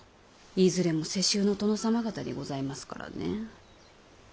いずれも世襲の殿様方にございますからね。